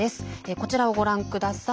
こちらをご覧ください。